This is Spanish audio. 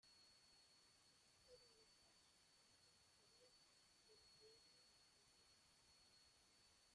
Fueron los dos últimos gobiernos del bienio reformista.